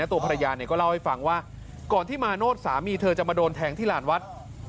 ตัวภรรยาเนี่ยก็เล่าให้ฟังว่าก่อนที่มาโนธสามีเธอจะมาโดนแทงที่หลานวัด